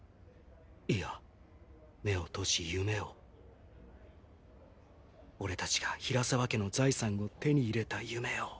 いや目を閉じ夢を俺達が平沢家の財産を手に入れた夢を。